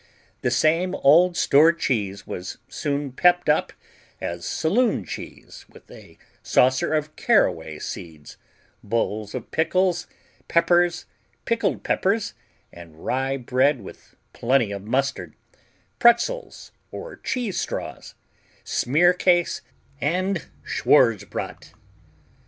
The same old store cheese was soon pepped up as saloon cheese with a saucer of caraway seeds, bowls of pickles, peppers, pickled peppers and rye bread with plenty of mustard, pretzels or cheese straws, smearcase and schwarzbrot.